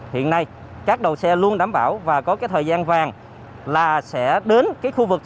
hiện nay các đầu xe luôn đảm bảo và có thời gian vàng là sẽ đến khu vực